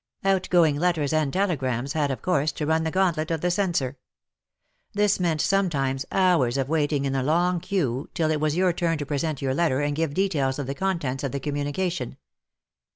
Outgoing letters and telegrams had, of course, to run the gauntlet of the censor. This meant sometimes hours of waiting in a long queue till it was your turn to present your letter and give details of the contents of the communica tion.